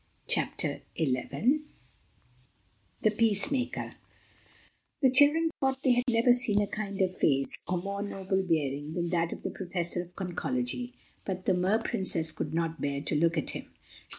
CHAPTER ELEVEN The Peacemaker THE CHILDREN thought they had never seen a kinder face or more noble bearing than that of the Professor of Conchology, but the Mer Princess could not bear to look at him.